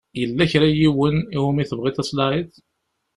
Yella kra n yiwen i wumi tebɣiḍ ad tlaɛiḍ?